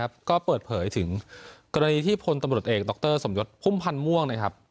ประเทศไทยนะครับก็เปิดเผยถึงกรณีที่พลตมรดเอกดรสมยศพุ่มพันธ์ม่วงนะครับ